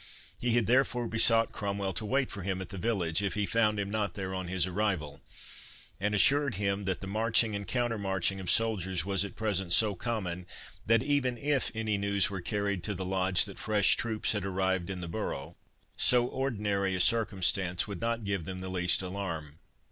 He had therefore besought Cromwell to wait for him at the village, if he found him not there on his arrival; and assured him that the marching and countermarching of soldiers was at present so common, that even if any news were carried to the Lodge that fresh troops had arrived in the borough, so ordinary a circumstance would not give them the least alarm.